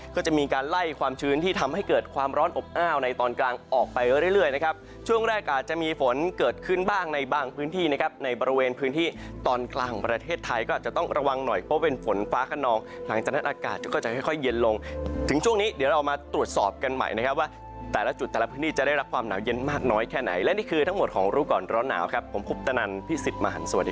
ก็จะมีการไล่ความชื้นที่ทำให้เกิดความร้อนอบอ้าวในตอนกลางออกไปเรื่อยเรื่อยนะครับช่วงแรกอาจจะมีฝนเกิดขึ้นบ้างในบางพื้นที่นะครับในบริเวณพื้นที่ตอนกลางประเทศไทยก็อาจจะต้องระวังหน่อยเพราะเป็นฝนฟ้ากระนองหลังจากนั้นอากาศก็จะค่อยเย็นลงถึงช่วงนี้เดี๋ยวเรามาตรวจสอบกันใหม่